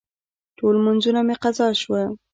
ټول لمونځونه مې قضا شوه.